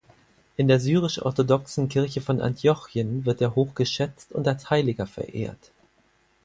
In der Syrisch-Orthodoxen Kirche von Antiochien wird er hoch geschätzt und als Heiliger verehrt.